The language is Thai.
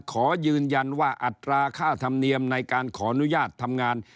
ขอยืนยันว่าอัตราค่าธรรมเนียมในการขออนุญาตทำงาน